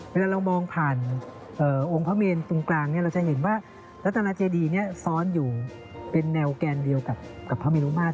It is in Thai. เวลาเรามองผ่านองค์พระเมนตรงกลางเราจะเห็นว่ารัฐนาเจดีนี้ซ้อนอยู่เป็นแนวแกนเดียวกับพระเมรุมาตร